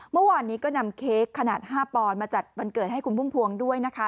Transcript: เมื่อวานนี้ก็นำเค้กขนาด๕ปอนด์มาจัดวันเกิดให้คุณพุ่มพวงด้วยนะคะ